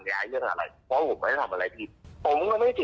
กิจกัดใจที่จะช่วยทำแผลให้ต่อมาโดนด่านี่